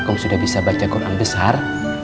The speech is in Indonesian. kak hakim sudah bisa baca quran besar